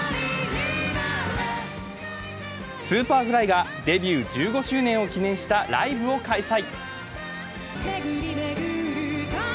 Ｓｕｐｅｒｆｌｙがデビュー１５周年を記念したライブを開催。